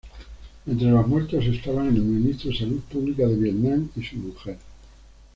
Entre los muertos estaban el Ministro de Salud Pública de Vietnam y su mujer.